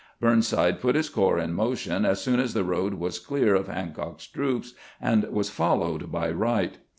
Burnside put his corps in motion as soon as the road was clear of Hancock's troops, and was followed by Wright.